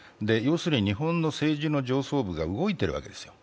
日本の政治の上層部が動いているわけですよ。